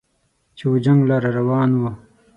چې و جنګ لره روان و